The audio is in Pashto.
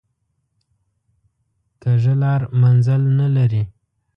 کوږه لار منزل نه لري